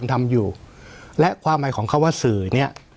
ทำอยู่และความหมายของเขาว่าสื่อเนี่ย